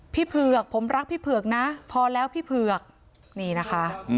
พี่เผือกผมรักพี่เผือกนะพอแล้วพี่เผือก